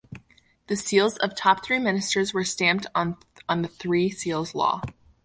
The seals of top three ministers were stamped on the Three Seals Law.